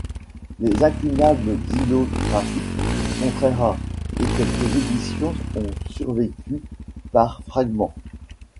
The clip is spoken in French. Les incunables xylographiques sont très rares, et quelques éditions ont survécu par fragments.